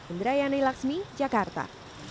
indra yani laksmi jakarta